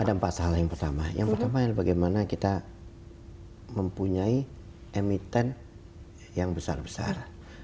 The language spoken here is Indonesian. ada empat hal yang pertama yang pertama adalah bagaimana kita mempunyai emiten yang besar besar